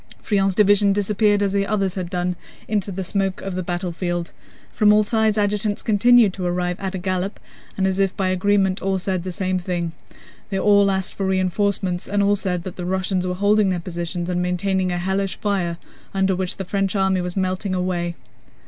Friant's division disappeared as the others had done into the smoke of the battlefield. From all sides adjutants continued to arrive at a gallop and as if by agreement all said the same thing. They all asked for reinforcements and all said that the Russians were holding their positions and maintaining a hellish fire under which the French army was melting away.